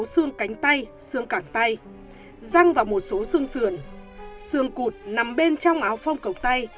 xương cánh tay xương cảng tay răng và một số xương sườn xương cụt nằm bên trong áo phong cầu tay